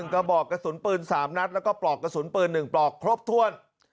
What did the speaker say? กระบอกกระสุนปืน๓นัดแล้วก็ปลอกกระสุนปืน๑ปลอกครบถ้วน